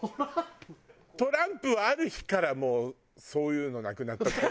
トランプはある日からもうそういうのなくなったと思う。